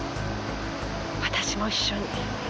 「私も一緒に」